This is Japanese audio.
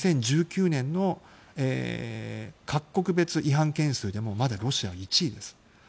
２０１９年の各国別違反件数でもまだロシアは１位です。